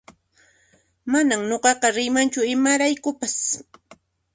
Manan nuqaqa riymanchu imaraykupas